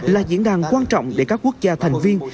là diễn đàn quan trọng để các quốc gia thành viên